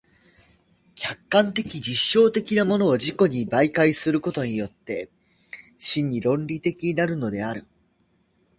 客観的実証的なものを自己に媒介することによって真に論理的になるのである。